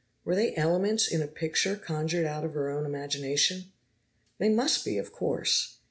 Were they elements in a picture conjured out of her own imagination? They must be, of course.